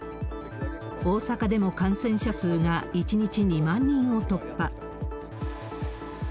大阪でも感染者数が１日２万人を突破。